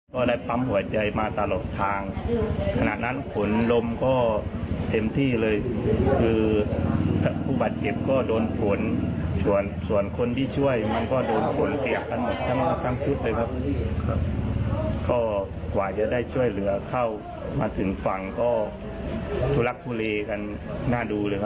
กลัวไหมครับตอนนั้นกลัวเหลือพ้าปากต่ำ